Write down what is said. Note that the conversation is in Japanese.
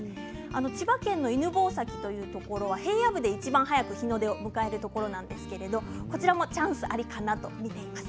千葉県の犬吠埼というところは平野部でいちばん早く日の出を迎えるところなんですけどこちらもチャンスありかなと見ています。